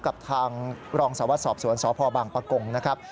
กับทางรองสวรรค์สอบสวนสพบางปะกงนะครับ